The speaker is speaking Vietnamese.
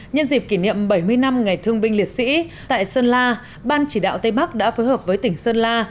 nhân dịp kỷ niệm bảy mươi năm ngày thương binh liệt sĩ tại sơn la ban chỉ đạo tây bắc đã phối hợp với tỉnh sơn la